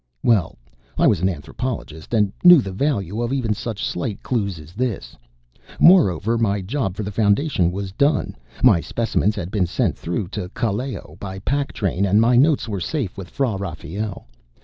Well, I was an anthropologist and knew the value of even such slight clues as this. Moreover, my job for the Foundation was done. My specimens had been sent through to Callao by pack train, and my notes were safe with Fra Rafael.